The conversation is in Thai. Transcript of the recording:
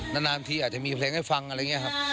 นานทีอาจจะมีเพลงให้ฟังอะไรอย่างนี้ครับ